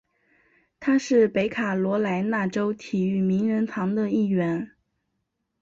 他是北卡罗来纳州体育名人堂的一员。